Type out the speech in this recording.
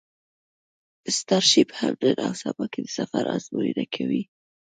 سټارشیپ هم نن او سبا کې د سفر ازموینه کوي.